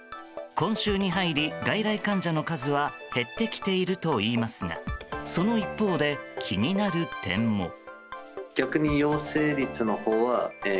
今週に入り、外来患者の数は減ってきているといいますがその一方で、気になる点も。